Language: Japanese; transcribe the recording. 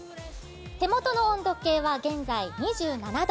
手元の温度計は現在２７度。